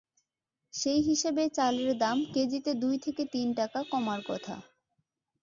সেই হিসাবে চালের দাম কেজিতে দুই থেকে তিন টাকা কমার কথা।